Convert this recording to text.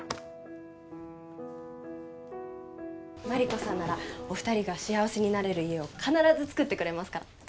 万里子さんならお二人が幸せになれる家を必ず造ってくれますから。